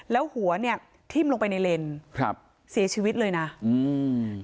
แล้วหัวเนี้ยทิ้มลงไปในเลนครับเสียชีวิตเลยน่ะอืม